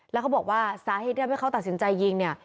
แล้วเขาบอกว่าสาเหตุที่ทำให้เขาตัดสินใจยิงเนี่ย